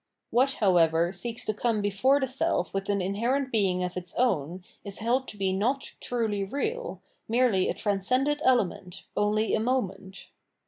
What, however, seeks to come before the self with an inherent being of its o wn is held to be not truly real, merely a transcended element, only a moment.